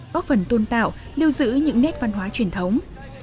góp phần tôn tạo lưu giữ những nét văn hóa truyền thống